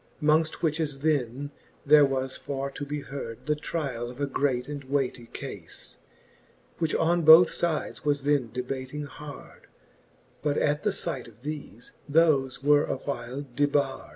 Mongft which as then, there was for to be heard The try all of a great and weigh tie cafe, Which on both fides was then debating hard: But at the fight of thefe, thofe were a while debard.